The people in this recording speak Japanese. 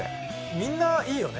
みんないいよね。